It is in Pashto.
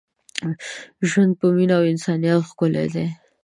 ژوند په مینه او انسانیت ښکلی دی.